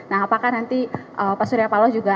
nah apakah nanti pak surya paloh juga